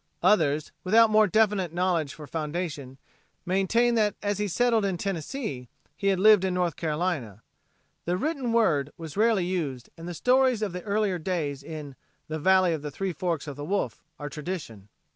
Others, without more definite knowledge for foundation, maintain that as he settled in Tennessee he had lived in North Carolina. The written word was rarely used and the stories of the earlier days in the "Valley of the Three Forks o' the Wolf" are tradition.